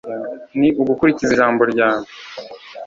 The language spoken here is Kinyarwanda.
ni ugukurikiza ijambo ryawe